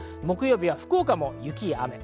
木曜日は福岡も雪や雨。